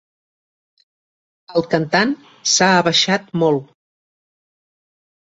El cantant s'ha abaixat molt.